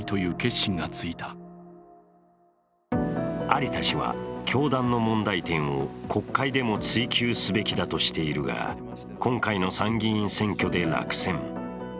有田氏は、教団の問題点を国会でも追及すべきだとしているが今回の参議院選挙で落選。